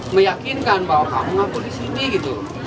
meyakinkan bahwa kamu ngaku di sini gitu